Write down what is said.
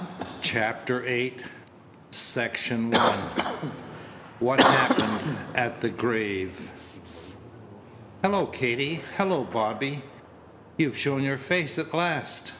CHAPTER VIII WHAT HAPPENED AT THE GRAVE "Hello, Katy! Hello, Bobby! You shown your face at last?